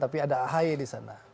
tapi ada ahy disana